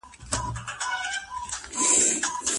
دواړه د داستان لپاره حیاتي دي.